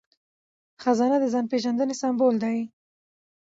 خزانه د ځان پیژندنې سمبول دی.